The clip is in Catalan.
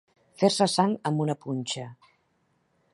Fer-se sang amb una punxa.